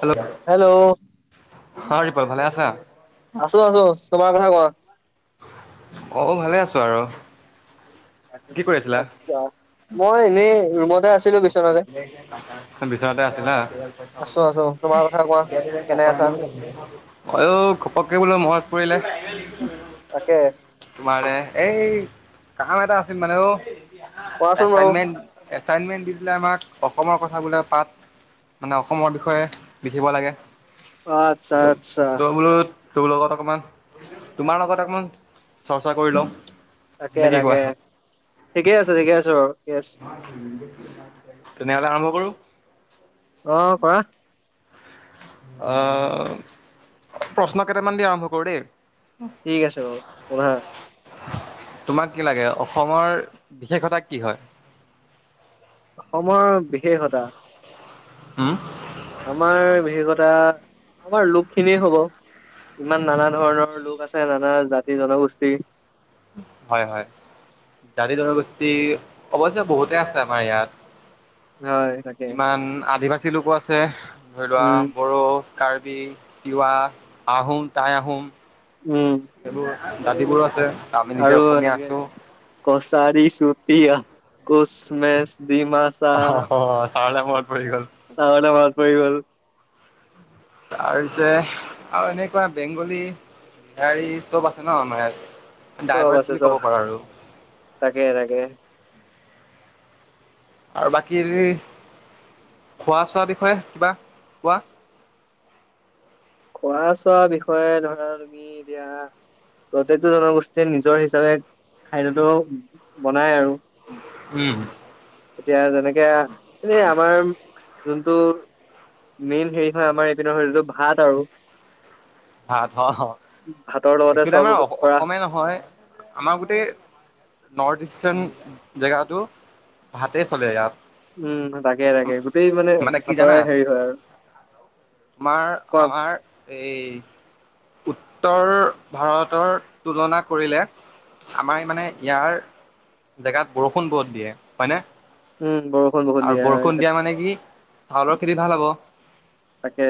Hello! Hello! অ' দীপল ভালে আছা? আছোঁ আছোঁ, তোমাৰ কথা কোৱা? অ', ভালে আছোঁ আৰু। কি কৰি আছিলা? আচ্ছা, মই এনেই ৰুমটে আছোঁ। বিচনাতে আছিলা। আছো আছো তোমাৰ কথা কোৱা কেনে আছা অ', ঘপককে বোলো মৰত পৰিলে। তাকেহে। তোমাৰ, এই কাম এটা আছিল মানে অ', কোৱাচোন বাৰু এচাইনমেন্ট এছাইনমেণ্ট দি দিলে আমাক, অসমৰ কথা বিলাক পাত। মানে অসমৰ বিষয়ে লিখিব লাগে। অ আচ্ছা ত, আচ্ছা ত', বোলো তোৰ লগত অকমান, তোমাৰ লগত অকমান চৰ্চা কৰি লওঁ। তাকে নে কি কোৱা? তাকে, ঠিকে আছে ঠিকে আছোঁ বাৰু। ইয়েছ। তেনেহলে আৰম্ভ কৰোঁ। অ', কৰা! অ', প্ৰশ্ন কেইটামান দি আৰম্ভ কৰোঁ দেই। ঠিক আছে, বাৰু সোধা? তোমাক কি লাগে, অসমৰ বিশেষতা কি হয়? অসমৰ বিশেষতা। উম্। আমাৰ বিশেষতা, আমাৰ লোক খিনিয়ে হ'ব। ইমান নানা ধৰণৰ লোক আছে, নানা জাতি-জনগোষ্ঠী। হয় হয়। জাতি-জনগোষ্ঠী, অৱশ্যে বহুতেই আছে আমাৰ ইয়াত। হয় তাকে ইমান আদিবাসী লোকো আছে, ধৰি লোৱা উম বড়ো, কাৰ্বি, তিৱা, আহোম, তাই আহোম। উম্। এইবোৰ, দাঁতিবোৰো আছে। আমি নিজে আৰু অসমীয়া এনেকে আছো কছাৰী, চুতিয়া, কোচমাচ, ডি মাছ। অ', চাউলা মনত পৰি গ'ল। চাহলৈ মনত পৰি গ'ল। তাৰপিছে আৰু এনেকুৱা বেংগলী, বিহাৰী চব আছে ন আ মমাৰ ইয়াত। চব ডাইভাৰ্চ আছে, বুলি ক'ব চব পাৰো আৰু তাকে, তাকে। আৰু বাকী খোৱা চোৱা বিষয়ে কিবা কোৱা। খোৱা চোৱা বিষয়ে ধৰা তুমি এতিয়া প্ৰত্যেকটো জনগোষ্ঠীয়ে নিজৰ হিচাপে খাদ্যতটো বনায় আৰু উম। এতিয়া, যেনেকে এনে আমাৰ যোনটো মেইন হেৰি হয় আমাৰ এইপিনৰ যটো ভাত আৰু ভাত, হ ভাতৰ লগতে একচোলি চব আমাৰ কৰা অসমে নহয় আমাৰ গোটেই নৰ্থ ইষ্টাৰ্ণ জেগাটো ভাতেই চলে ইয়াত। উম, তাকে, তাকে গোটেই মানে কি জানা ভাতৰে হেৰি হয় আৰু তোমাৰ ক আমাৰ এই উত্তৰ ভাৰতৰ তুলনা কৰিলে আমাৰ মানে ইয়াৰ জেগাত বৰষুণ বহুত দিয়ে হয়নে। উম বৰষুণ বহুত আৰু দিয়া হয় বৰষুণ দিয়া মানে কি চাউলৰ খেতি ভাল হ'ব। তাকে।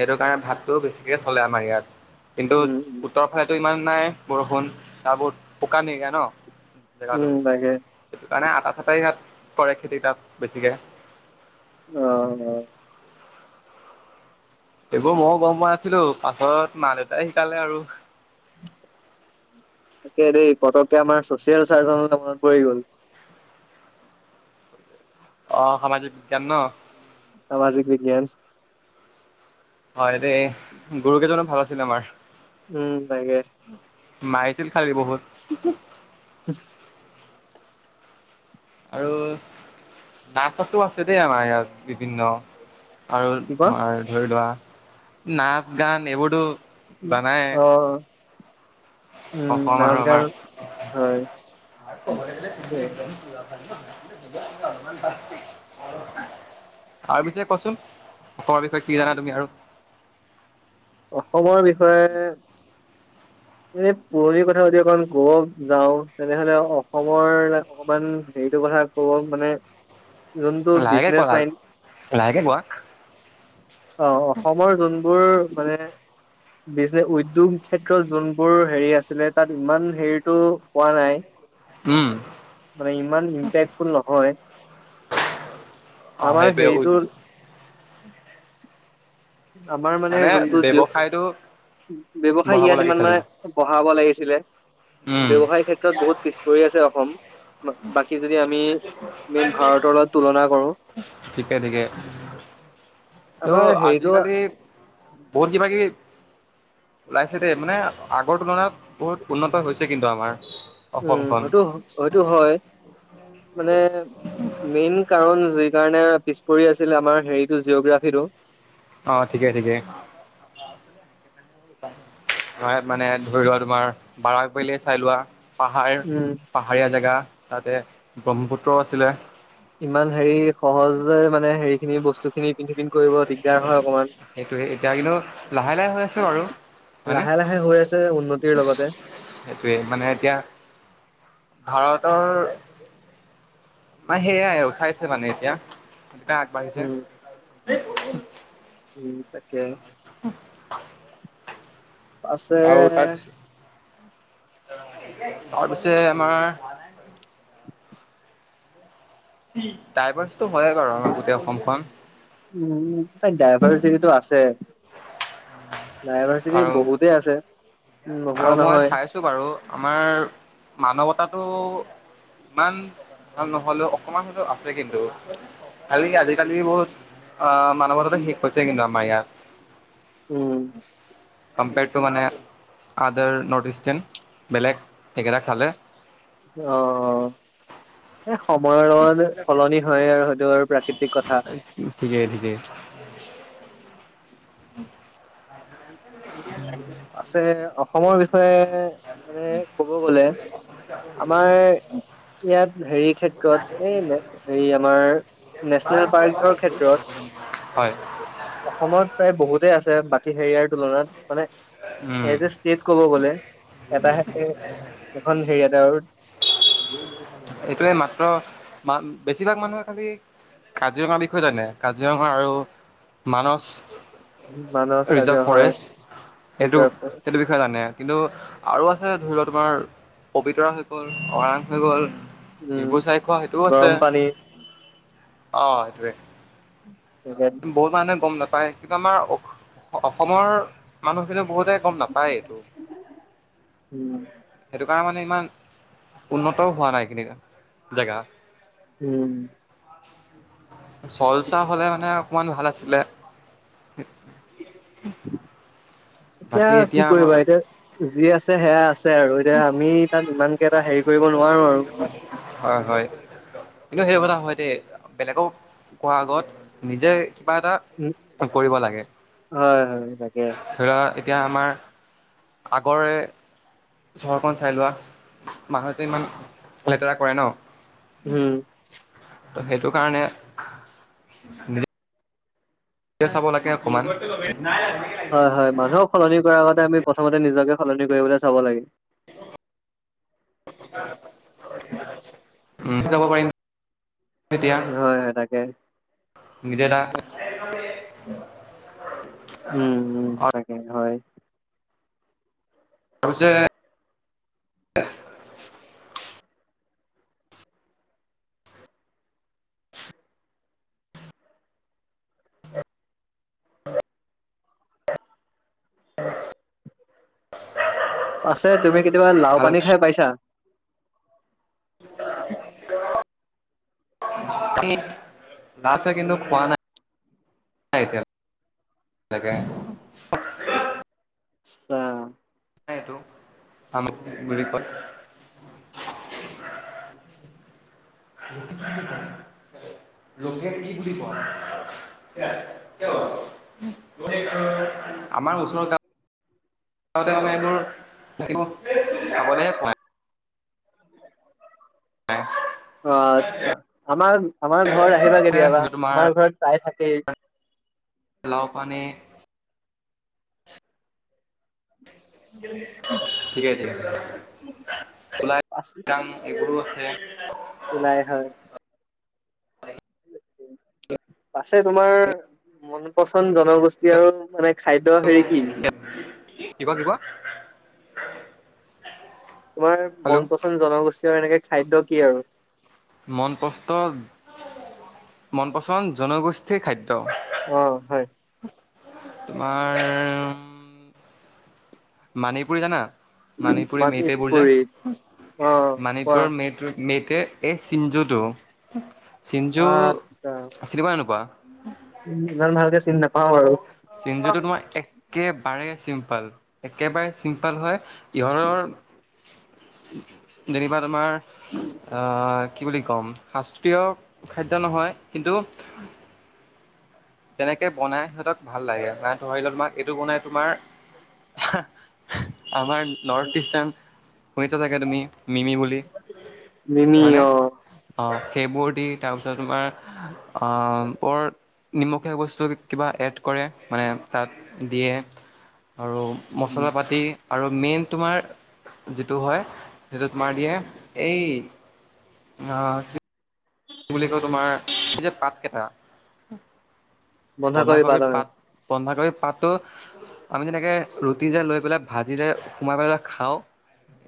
সেইটো কাৰণে ভাতটো বেছিকৈ চলে আমাৰ ইয়াত। কিন্তু উম উত্তৰৰ ফালেতো ইমান নাই বৰষুণ ত বহুত শুকান এৰিয়া ন উম জেগাটো, উম তাকে সেইটো কাৰণে আটা চটাই ইায়াত কৰে খেতি তাত বেছিকে। অ', অ'। এইবোৰ মইয়ো গ'ম পোৱা নাছিলো, পাছত মা দেউতাই শিকালে আৰু। তাকে দেই পতককে আমাৰ চচিয়েল চাৰজনলৈ মনত পৰি গ'ল। অ', সামাজিক বিজ্ঞান ন। সামাজিক বিজ্ঞান। হয় দেই গুৰু কেইজনো ভাল আছিলে আমাৰ। উম, তাকে। মাৰিছিল খালি বহুত। উম। নাচ চাচো আছে দেই আমাৰ ইয়াত বিভিন্ন। আৰু কি কোৱা তোমাৰ ধৰি লোৱা নাচ গান এইবোৰটো অ', অ' উম অসম নাচ গান হয়। াতলে একদম চা ফালমান [unintelligible] আৰু পিছে কোচোন অসমৰ বিষয়ে কি জানা তুমি আৰু? অসমৰ বিষয়ে এনে পুৰণি কথা যদি অকণমান ক'ব যাওঁ তেনেহ'লে অসমৰ অকমান হেৰিটো কথা ক'ব মানে যোনটো লাহেকে বিজনেচ কোৱা মাইণ্ড লাহেকে কোৱা। অ', অসমৰ যোনবোৰ মানে বিজনে উদ্যোগ ক্ষেত্ৰত যোনবোৰ হেৰি আছিলে তাত ইমান হেৰিতটো পোৱা নাই। ব [unintelligible] উম। মানে ইমান ইমপেক্টফুল নহয়। অ', আমাৰ সেইটোৱে হেৰিটো উদ্যোগ আমাৰ মানে যোনটো জিঅ' ব্যৱসায় বঢ়াব ইয়াত লাগে ইমান খালি মানে বঢ়াব লাগিছিলে, উম ব্যৱসায় ক্ষেত্ৰত বহুত পিছ পৰি আছে অসম। বাকী যদি আমি মেইন ভাৰতৰ লগত তুলনা কৰো। ঠিকে ঠিকে। ত' আমাৰ হেৰিটো আজিকালি বহুত কিবাকিবি ওলাইছে দেই, মানে আগৰ তুলনাত বহুত উন্নত হৈছে কিন্তু আমাৰ। উম, অসমখন হয়টো হয়টো হয়, মানে মেইন কাৰণ যি কাৰণে পিছ পৰি আছিল আমাৰ হেৰিটো জিঅগ্ৰাফীটো অঁ' ঠিকে ঠিকে। হয় ইয়াত মানে ধৰি লোৱা তোমাৰ বাৰাক ভেলীয়ে চাই লোৱা, পাহাৰ উম পাহাৰীয়া জেগা তাতে ব্ৰহ্মপুত্ৰও আছিলে। ইমান হেৰি সহজে মানে হেৰি খিনি বস্তু খিনি ইপিন সিপিন কৰিব দিগদাৰ হয় অকমান। সেইটোৱে এতিয়া কিন্তু লাহে লাহে হৈ আছে বাৰু হয়নে লাহে লাহে হৈ আছে উন্নতিৰ লগতে। সেইটোৱে, মানে এতিয়া ভাৰতৰ নাই সেয়াই আৰু চাইছে এতিয়া, এতিয়া আগবাঢ়িছে। উম উম, তাকে। পাছে আৰু তাৰপিছ, তাৰপিছে আমাৰ দাইভাৰ্চটো হয় বাৰু আমাৰ গোটেই অসমখন। উম, উম, তাই ডাইভাৰ্চিটিটো আছে। ডাইভাৰ্চিটি আৰু বহুতেই আছে, নোহোৱা নহয়! তো বাৰু আমাৰ মানৱতাটো ইমান ভাল নহ'লেও অকমান হলেও আছে কিন্তু। খালি আজিকালি বহুত অ' মানৱতাতো শেষ হৈছে কিন্তু আমাৰ ইয়াত! উম। কম্পেয়াৰড টু মানে আদাৰ নৰ্থ ইষ্টান বেলেগ সেইগেইটক চালে। অঁ অঁ' এ সময়ৰ লগত সলনি হয়ে আৰু টো আৰু প্ৰাকৃতিক কথা। ঠিকেই! ঠিকেই! [inaudible] [inaudible] আছে, অসমৰ বিষয়ে মানে কব গলে আমাৰ [inaudible] ইয়াত হেৰি ক্ষেত্ৰত এই নে হেৰি আমাৰ নেচনেল পাৰ্কৰ ক্ষেত্ৰত [unintelligible] হয়! অসমত প্ৰায় বহুতে আছে বাকী হেৰিয়াৰ তুলনাত মানে উম এজ এ ষ্টেট কব গলে, এটাহে এখন হেৰি [unintelligible] এইটোৱে মাত্ৰ মা বেছিভাগ মানুহে খালী কাজিৰঙাৰ বিষয়ে জানে? কাজিৰঙা আৰু মানস! মানস, ৰিজাৰ্ভ কাৰ্য হয়। ফৰেষ্ট সেইটো ৰিজাৰ্ভ হয়, সেইটো বিষয়ে জানে, কিন্তু, আৰু আছে ধৰি লোৱা তোমাৰ পবিতৰা হৈ গ'ল, অৰাং হৈ গ'ল উম। ডিব্ৰু চাইখোৱা সেইটোও আছে, গৰম পানী অহ সেইটোৱে। উম। বহুত মানুহে গম নাপায়, কিন্তু আমাৰ অস অসমৰ মানুহখিনি বহুতে গম নাপায় এইটো, সেইটো কাৰণে মানে ইমান উন্নত হোৱা নাই এই খিনি জেগা! উম। চল চাই হ'লে মানে অকমান ভাল আছিলে। [inaudible] এতিয়া, বাকী এতিয়া কি আমাৰ কৰিবা এতিয়া? যি আছে সেয়া আছে আৰু এতিয়া, আমি তাত ইমানকে এটা হেৰি কৰিব নোৱাৰো আৰু। হয়, হয়। কিন্তু সেই কথা হয় দেই, বেলেগক কোৱা আগত নিজে কিবা এটা উম, কৰিব লাগে। হয়, হয়, তাকে। ধৰা এতিয়া আমাৰ আগৰে চহৰখন চাই লোৱা, মানুহতে ইমান লেতেৰা কৰে ন'। উম। ত' সেইটো কাৰণে এতি চাব লাগে অকণমান। হয়, হয়। মানুহক সলনি কৰাৰ আগতে আমি প্ৰথমতে নিজক সলনি কৰিবলৈ চাব লাগে। উম, [unintelligible] হয়, হয়, তাকে। নিদে দা উম, উম, তাকে, হয়। তই যে আছে তুমি কেতিয়াবা লাও ভাল পানী খাই পাইছা? [inaudible] [unintelligible] কি আছে কিন্তু খোৱা নাই। [unintelligible] এতিয়াল তাকেহে। অ'। [unintelligible] এইটো [unintelligible] কয়। [inaudible] লোকে কি বুলি কয়? [unintelligible] আমাক ওচৰত [unintelligible] এইটোৰ [unintelligible] নাই [inaudible] অ', আচ্ছা, আমাৰ আমাৰ ঘৰত আহিবা কেতিয়াবা, তোমাৰ আমাৰ ঘৰত চাই থাকেই। লাও পানী। ঠিকেই, ঠিকেই [unintelligible] পাচি এইবোৰো আছে। চুলাই হয়। আছে তোমাৰ মন পচন্দ জনগোষ্ঠী আৰু মানে খাদ্য হেৰি কি [unintelligible] কি কোৱা? কি কোৱা? তোমাৰ মন পচন্দ জনগোষ্ঠী আৰু এনেকে খাদ্য কি আৰু? মন পস্ত মন পচন্দ জনগোষ্ঠীয়ে খাদ্য। অ', হয়। তোমাৰ মানিপুৰী জানা, মানিপুৰী মেইটেবোৰ যে মানিপুৰি অ কোৱা মাণিপুৰৰ মেইট মেইট এই চিঞ্জুটো, চিঞ্জু চিনি পোৱা নে নোপোৱা? উম, ইমান ভালকে চিনি নাপাওঁ বাৰু। চিঞ্জোটো তোমাৰ একেবাৰে চিম্পল একেবাৰে চিম্পল হয়, ইহঁতৰ যেনিবা তোমাৰ আহ, কি বুলি কম শাস্ত্ৰীয় খাদ্য নহয়, কিন্তু তেনেকে বনাই সিহঁতক ভাল লাগে, মানে ধৰিলওক তোমাক এইটো বনাই তোমাৰ হা আমাৰ নৰ্থ ইষ্ট্ৰান শুনিছা চাগে তুমি? মিমি বুলি মিমি হয়নে? অ অ', সেইবোৰ দি তাৰপিছত তোমাৰ অ' নিমখীয়া বস্তু কিবা এড কৰে মানে তাত দিয়ে আৰু মচলা পাতি। আৰু মেইন তোমাৰ যিটো হয়, সেইটো তোমাৰ দিয়ে এই আ কি বুলি কয় তোমাৰ যে পাত কেইটা বন্ধাকবি পাত। বন্ধা কবি পাতটো আমি যেনেকে ৰুটি যে লৈ পেলাই ভাজি যে সোমাই পেলাই যে খাওঁ।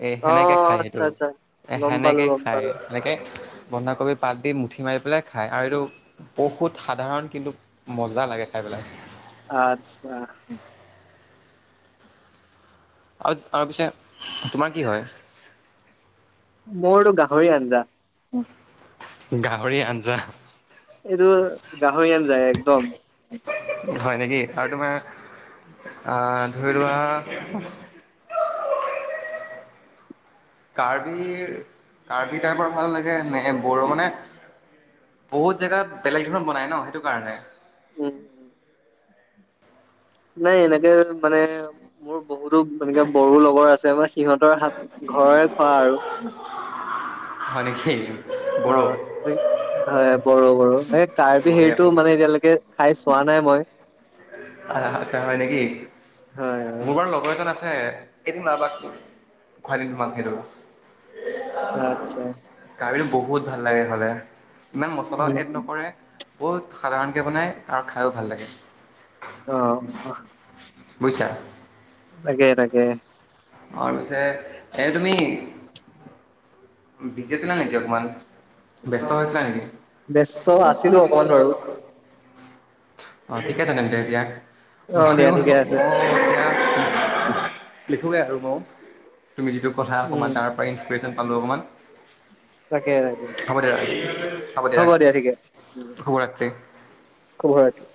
এ অ সেনেকে খায় আচ্ছা সেইটো আচ্ছা এ গম পালো সেনেকে গম খায় পালো সেনেকে বন্ধাকবি পাত দি মুঠি মাৰি পেলাই খায় আৰু এইটো বহুত সাধাৰণ কিন্তু মজা লাগে খাই পেলাই। আচ্ছা। আৰু আৰু পিছে তোমাৰ কি হয়? মোৰতো গাহৰি আঞ্জা। গাহৰি আঞ্জা। এইটো গাহৰি আন যায় একদম। হয় নেকি আৰু তোমাৰ আঁহ ধৰি লোৱা কাৰ্বি কাৰ্বি টাইপৰ ভাল লাগে নে বড়ো মানে বহুত জেগাত বেলেগ ধৰণৰ বনাই ন' সেইটো কাৰণে। উম নাই এনেকে মানে মোৰ বহুতো এনেকে বড়ো লগৰ আছে মানে সিহঁতৰ হাত ঘৰৰে খোৱা আৰু। হয়, নেকি অ বড়ো? হয়, বড়ো বড়ো সেই কাৰ্বি হেৰিটো মানে বঢ়িয়া এতিয়ালৈকে খাই চোৱা নাই মই। আহ আচ্ছা হয়, নেকি? হয় হয় মোৰ বাৰু লগৰ এজন আছে। এদিন উলাবা খুৱাই দিম তোমাক সেইটো। আচ্ছা কাৰ্বিটো বহুত ভাল লাগে খালে ইমান মছলাও উম এড নকৰে। বহুত সাধাৰণকৈ বনায় আৰু খায়ো ভাল লাগে। অ', অ'। বুজিছা? তাকে তাকে। আৰু পিছে এই তুমি [inaudible] বিজি আছিলা নেকি অকনমান? ব্যস্ত হৈ আছিলা নেকি? ব্যস্ত আছিলো অকমান আগত। অ', ঠিক আছে তেন্তে এতিয়া অ দিয়া মইও মই ঠিকে আছে এতিয়া লিখোগে আৰু মইও তুমি যিটো কথা উম অকমান তাৰ পৰা ইনচপ্ৰিয়েচন পালো অকমান। তাকে তাকে দিয়া হ'ব দিয়া ঠিকে আছে। শুভৰাত্ৰি। শুভৰাত্ৰি।